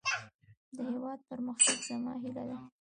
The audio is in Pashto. د هيواد پرمختګ زما هيله ده.